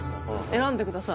選んでください